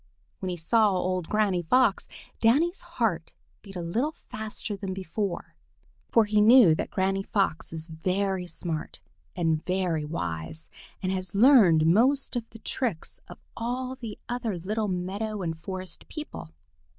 When he saw old Granny Fox, Danny's heart beat a little faster than before, for he knew that Granny Fox is very smart and very wise and has learned most of the tricks of all the other little meadow and forest people.